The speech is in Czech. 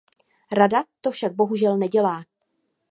Rada to však bohužel nedělá.